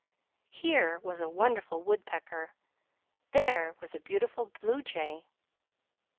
Here was a wonderful woodpecker, there was a beautiful bluejay.